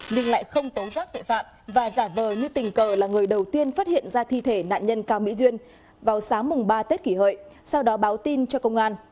nhưng lại không tố giác tội phạm và giả vờ như tình cờ là người đầu tiên phát hiện ra thi thể nạn nhân cao mỹ duyên vào sáng mùng ba tết kỷ hợi sau đó báo tin cho công an